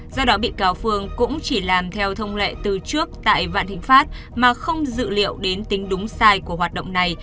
do đó bị cáo phương cũng chỉ làm theo thông lệ từ trước tại vạn thịnh pháp mà không dự liệu đến tính đúng sai của hoạt động này